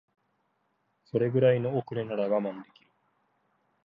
それぐらいの遅れなら我慢できる